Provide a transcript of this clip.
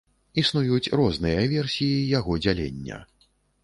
Існуюць розныя версіі яго дзялення.